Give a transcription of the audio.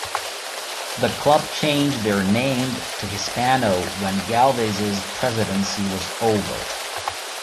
The club changed their named to Hispano when Galvez's presidency was over.